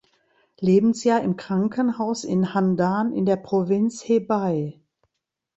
Lebensjahr im Krankenhaus in Handan in der Provinz Hebei.